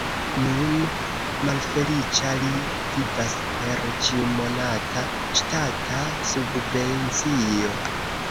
Nun malfeliĉa li vivas per ĉiumonata ŝtata subvencio.